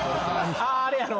あれやろ。